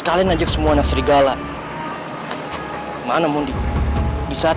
kayaknya ide alex bagus d